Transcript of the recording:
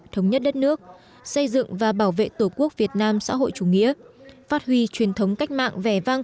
thống nhất đất nước xây dựng và bảo vệ tổ quốc việt nam xã hội chủ nghĩa phát huy truyền thống cách mạng vẻ vang